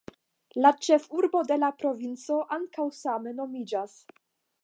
La ĉefurbo de la provinco ankaŭ same nomiĝas.